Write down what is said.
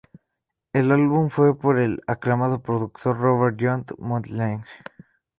El álbum fue producido por el aclamado productor Robert John "Mutt" Lange.